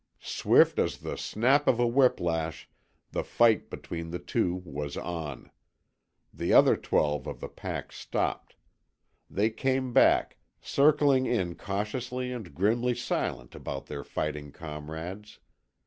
Swift as the snap of a whip lash the fight between the two was on. The other twelve of the pack stopped. They came back, circling in cautiously and grimly silent about their fighting comrades.